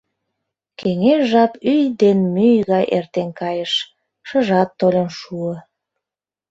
Кеҥеж жап ӱй ден мӱй гай эртен кайыш, шыжат толын шуо.